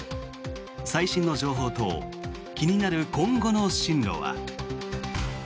最新の情報と気になる今後の進路は。